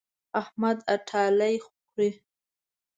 احمد اټالۍ خوري.